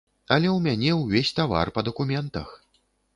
Але ў мяне ўвесь тавар па дакументах.